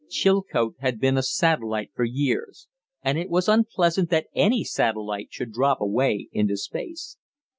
Chilcote had been a satellite for years, and it was unpleasant that any satellite should drop away into space.